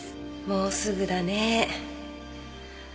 もうすぐだね。